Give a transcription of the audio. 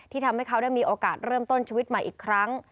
ทำให้เขาได้มีโอกาสเริ่มต้นชีวิตใหม่อีกครั้ง